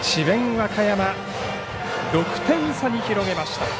和歌山６点差に広げました。